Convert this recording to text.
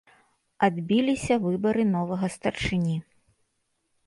Адбіліся выбары новага старшыні.